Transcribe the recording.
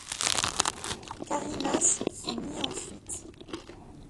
Carrinas fut mis en fuite.